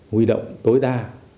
huy động tối đa